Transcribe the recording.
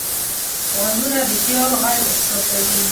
غوږونه د خیال غږ احساسوي